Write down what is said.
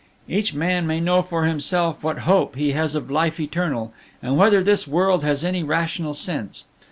"Each man may know for himself what hope he has of life eternal, and whether this world has any rational sense.